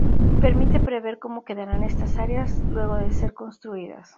Permite prever cómo quedarán estas áreas luego de ser construidas.